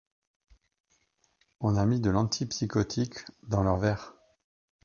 On a mis de l’antipsychotique dans leurs verres.